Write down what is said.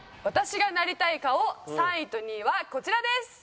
私がなりたい顔３位と２位はこちらです。